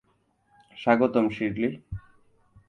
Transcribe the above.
স্বাগতম, শিরলি।